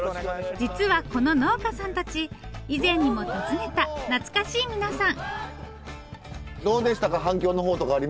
実はこの農家さんたち以前にも訪ねた懐かしい皆さん。